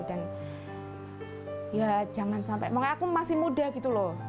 dan ya jangan sampai makanya aku masih muda gitu loh